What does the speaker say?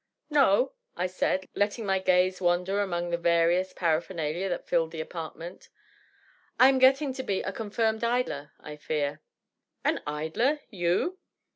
" No,'' I said, letting my gaze wander among the various parapher nalia that filled tlie apartment. " I am getting to be a confirmed idler, I fear." "An idler? You?"